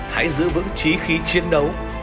hãy giữ vững trí khí chiến đấu